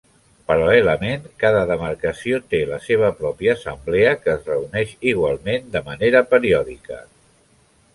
Paral·lelament, cada demarcació té la seva pròpia assemblea que es reuneix, igualment, de manera periòdica.